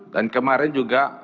dan kemarin juga